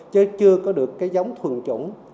chứ chưa có được cái giống thuần trũng